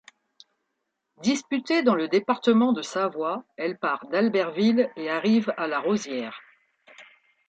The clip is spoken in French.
Disputée dans le département de Savoie, elle part d'Albertville et arrive à La Rosière.